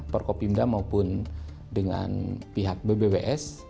perkopimda maupun dengan pihak bbws